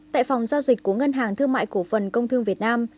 tại phòng giao dịch của ngân hàng thương mại cổ phần công thương việt nam